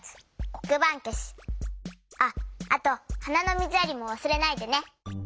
こくばんけしあっあとはなのみずやりもわすれないでね。